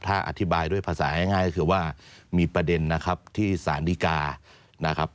ถ้าอธิบายด้วยภาษาง่ายก็คือว่ามีประเด็นนะครับที่สารดีกานะครับ